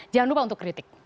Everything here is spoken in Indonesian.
jangan lupa untuk kritik